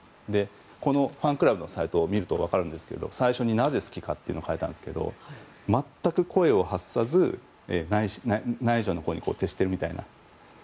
このファンクラブのサイトを見ると分かりますが最初になぜ好きかが書いているんですが全く声を発さず内助の功に徹しているみたいな。